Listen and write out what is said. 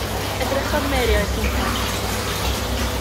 Edrychodd Mary o'i chwmpas.